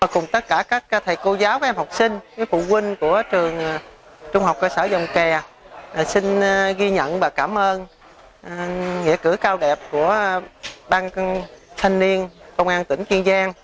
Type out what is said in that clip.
cùng tất cả các thầy cô giáo các em học sinh phụ huynh của trường trung học cơ sở dòng kè xin ghi nhận và cảm ơn nghĩa cử cao đẹp của ban thanh niên công an tỉnh kiên giang